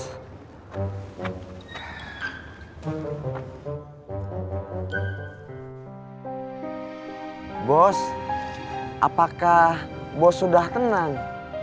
hai bos apakah bos sudah tenang